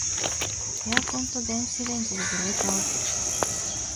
エアコンと電子レンジでブレーカー落ちる